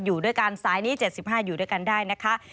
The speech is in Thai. อยู่ด้วยกันสายนี้๗๕อยู่ด้วยกันได้นะคะ